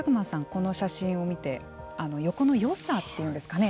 この写真を見て横のよさというんですかね